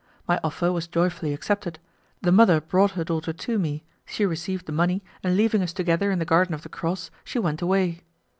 My offer was joyfully accepted, the mother brought her daughter to me, she received the money, and leaving us together in the Garden of the Cross, she went away.